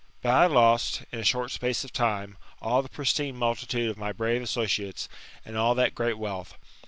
But I lost, in a short space of time, all the pristine multitude of my brave associates, and all that great wealth.